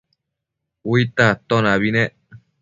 Uidta atonabi nec